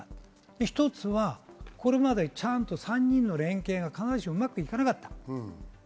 一つはこれまでちゃんと３人の連携がうまくいかなかった。